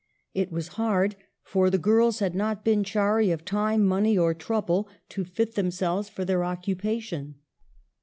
It was hard, for the girls had not been chary of time, money, or trouble to fit themselves for their occupation.